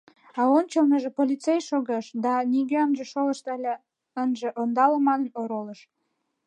А ончылныжо полицей шогыш да нигӧ ынже шолышт але ынже ондале манын оролыш.